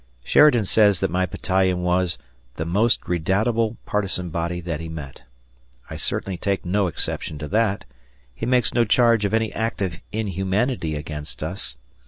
Sheridan says that my battalion was "the most redoubtable" partisan body that he met. I certainly take no exception to that. He makes no charge of any act of inhumanity against us.